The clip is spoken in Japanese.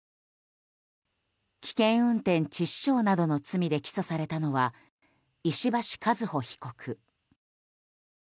危険運転致死傷などの罪で起訴されたのは石橋和歩被告。